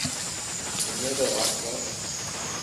دنیا کا راز کیا ہے؟